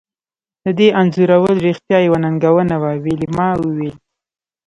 د دې انځورول رښتیا یوه ننګونه وه ویلما وویل